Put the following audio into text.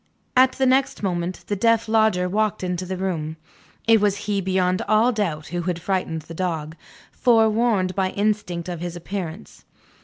At the next moment, the deaf Lodger walked into the room. It was he beyond all doubt who had frightened the dog, forewarned by instinct of his appearance.